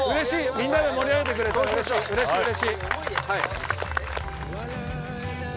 みんなで盛り上げてくれてうれしい！